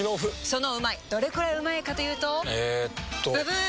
そのうまいどれくらいうまいかというとえっとブブー！